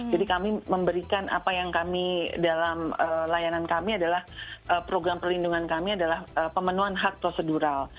jadi kami memberikan apa yang kami dalam layanan kami adalah program perlindungan kami adalah pemenuhan hak prosedural